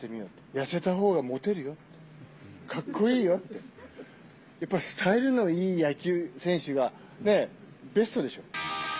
痩せたほうがもてるよ、かっこいいよ、やっぱスタイルのいい野球選手がね、ベストでしょ。